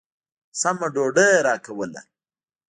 سمه ډوډۍ يې راکوله.